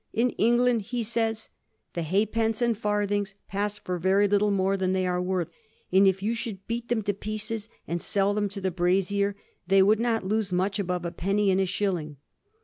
In England, he says, ' the halfpence and farthings pass for very little more than they are worth, and if you should beat them to pieces and sell them to the brazier, you would not lose much above a penny in a shilling.'